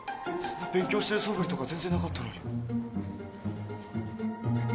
勉強してる素振りとか全然なかったのに。